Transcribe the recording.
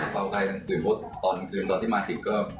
เผาไข้คือตอนที่มาคิดก็